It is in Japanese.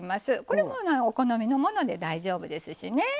これもお好みのもので大丈夫ですしね。